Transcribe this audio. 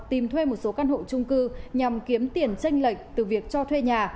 tìm thuê một số căn hộ trung cư nhằm kiếm tiền tranh lệch từ việc cho thuê nhà